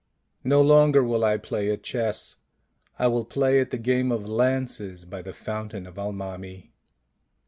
" No longer will I play at chess; I will play at the game of lances by the fountain of Al mami."